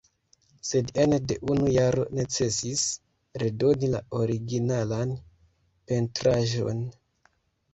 Sed ene de unu jaro necesis redoni la originalan pentraĵon.